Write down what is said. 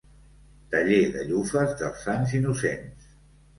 Taller de llufes dels Sants Innocents.